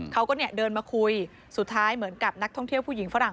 เขาก็เนี่ยเดินมาคุยสุดท้ายเหมือนกับนักท่องเที่ยวผู้หญิงฝรั่ง